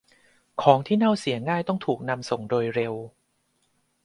ของที่เน่าเสียง่ายต้องถูกนำส่งโดยเร็ว